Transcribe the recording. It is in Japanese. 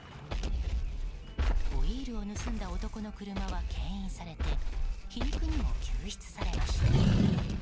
ホイールを盗んだ男の車は牽引されて皮肉にも救出されました。